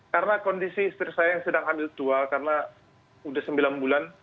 karena kondisi istri saya yang sedang hamil tua karena udah sembilan bulan